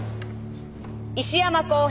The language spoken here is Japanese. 石山広平。